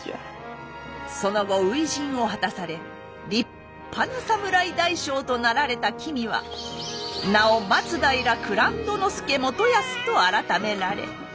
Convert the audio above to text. その後初陣を果たされ立派な侍大将となられた君は名を松平蔵人佐元康と改められ。